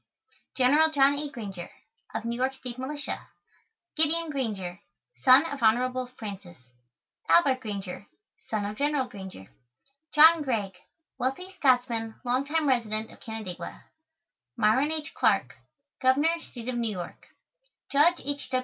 General JOHN A. GRANGER Of New York State Militia GIDEON GRANGER Son of Hon. Francis ALBERT GRANGER Son of General Granger JOHN GREIG Wealthy Scotsman long time resident of Canandaigua MYRON H. CLARK Governor, State of New York JUDGE H.